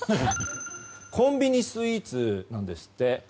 コンビニスイーツなんですって。